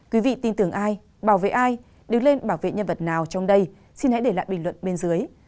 quý vị tin tưởng ai bảo vệ ai đứng lên bảo vệ nhân vật nào trong đây xin hãy để lại bình luận bên dưới